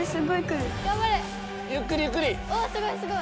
おすごいすごい。